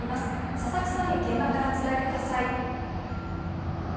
佐々木さん、現場から伝えてください。